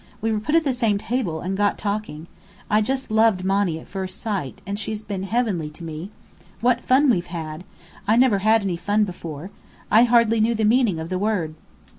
We were put at the same table, and got talking. I just loved Monny at first sight, and she's been heavenly to me. What fun we've had! I never had any fun before. I hardly knew the meaning of the word."